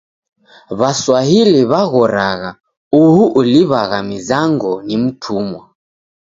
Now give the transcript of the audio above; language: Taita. W'aswahili w'aghoragha uhu uliw'agha mizango ni mtumwa!